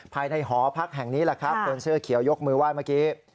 ภายในหอพักแห่งนี้แหละครับคนเสื้อเขียวยกมือไหว้เมื่อกี้